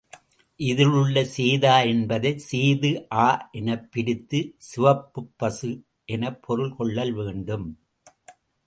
இதிலுள்ள சேதா என்பதைச் சேது ஆ எனப் பிரித்துச் சிவப்புப் பசு எனப்பொருள் கொள்ளல் வேண்டும்.